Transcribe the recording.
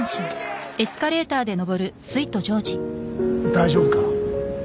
大丈夫か？